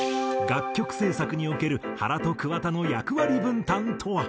楽曲制作における原と桑田の役割分担とは？